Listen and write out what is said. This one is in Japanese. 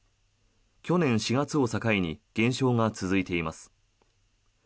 去年４月を境に減少が続いています。